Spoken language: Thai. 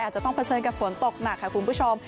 อาจจะต้องเผชิญกับฝนตกหนักค่ะคุณผู้ชม